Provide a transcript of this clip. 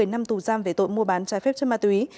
một mươi năm tù giam về tội mua bán trái phép chất ma túy